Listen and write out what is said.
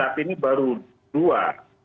tapi ini baru dua